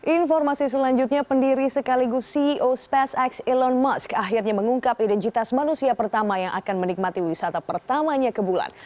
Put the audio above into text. informasi selanjutnya pendiri sekaligus ceo spacex elon musk akhirnya mengungkap identitas manusia pertama yang akan menikmati wisata pertamanya ke bulan